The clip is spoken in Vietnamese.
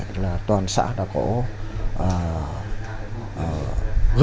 toàn xã đã có gần hai trăm linh hectare diện tích trè hàng hóa